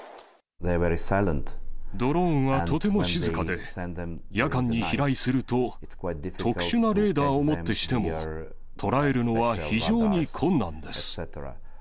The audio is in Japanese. ドローンはとても静かで、夜間に飛来すると特殊なレーダーをもってしても捉えるのは非常に困難です。